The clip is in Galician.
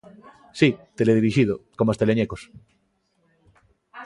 Si, teledirixido, coma os Teleñecos.